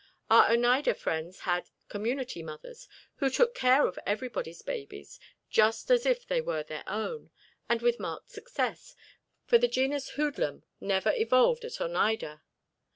Our Oneida friends had "Community Mothers," who took care of everybody's babies, just as if they were their own, and with marked success, for the genus hoodlum never evolved at Oneida.